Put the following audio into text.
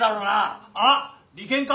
あ利権か？